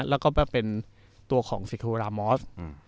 แล้วก็เป็นตัวของสิโธรามอส